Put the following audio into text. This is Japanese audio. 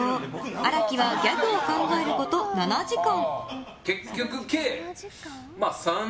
荒木はギャグを考えること７時間。